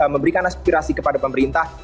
memberikan aspirasi kepada pemerintah